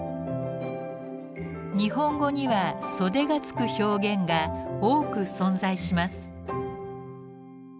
日本語には「袖」がつく表現が多く存在します。